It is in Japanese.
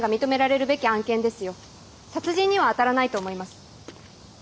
殺人にはあたらないと思います。